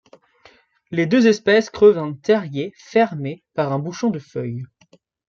Les deux espèces creusent un terrier fermé par un bouchon de feuilles.